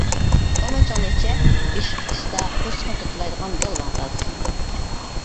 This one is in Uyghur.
-ئۇمىچىڭنى ئىچە، بېشى قىچىشسا، قورسىقىنى تاتىلايدىغان گالۋاڭ تاز!